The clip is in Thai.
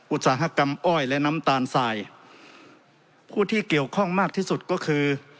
อุตสาหกรรมอ้อยและน้ำตาลสายผู้ที่เกี่ยวข้องมากที่สุดก็คือ